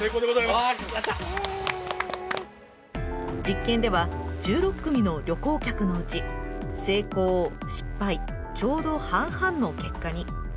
実験では１６組の旅行客のうち成功・失敗、ちょうど半々の結果に。